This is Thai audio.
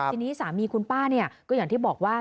ทีนี้สามีคุณป้าเนี่ยก็อย่างที่บอกว่า